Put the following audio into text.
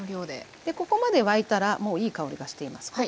でここまで沸いたらもういい香りがしています。